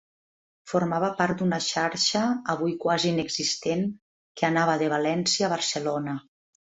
Formava part d'una xarxa, avui quasi inexistent, que anava de València a Barcelona.